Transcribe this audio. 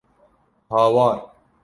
Hawar!